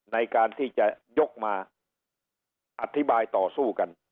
ในการที่จะยกมาอธิบายต่อสู้กัน